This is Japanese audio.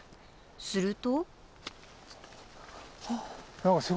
すると。